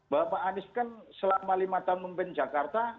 bapak anies kan selama lima tahun memimpin jakarta